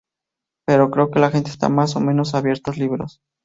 Pero creo que la gente está más o menos abiertos libro.